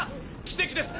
奇跡です！